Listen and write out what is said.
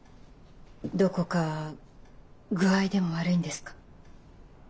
どこか具合でも悪いんですか？